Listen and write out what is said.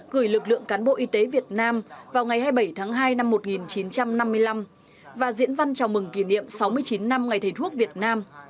gửi lực lượng cán bộ y tế việt nam vào ngày hai mươi bảy tháng hai năm một nghìn chín trăm năm mươi năm và diễn văn chào mừng kỷ niệm sáu mươi chín năm ngày thầy thuốc việt nam